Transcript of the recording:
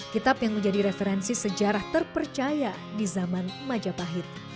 kitab yang menjadi referensi sejarah terpercaya di zaman majapahit